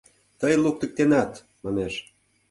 Тый луктыктенат, манеш...